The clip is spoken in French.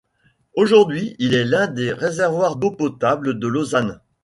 Aujourd'hui, il est l'un des réservoirs d'eau potable de Lausanne.